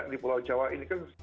di pulau jawa ini kan